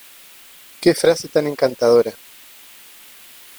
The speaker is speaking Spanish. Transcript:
Qué frase tan encantadora...